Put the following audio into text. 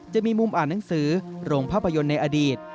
จะมีมุมอ่านหนังสือโรงภาพยนตร์ในอดีต